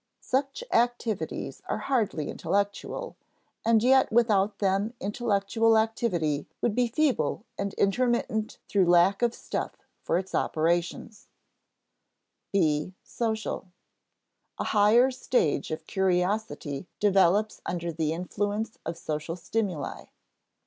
Such activities are hardly intellectual, and yet without them intellectual activity would be feeble and intermittent through lack of stuff for its operations. Hobhouse, Mind in Evolution, p. 195. [Sidenote: (b) social] (b) A higher stage of curiosity develops under the influence of social stimuli.